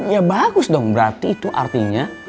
ya bagus dong berarti itu artinya